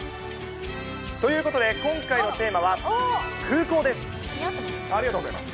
ということで、今回のテーマは空似合ってます。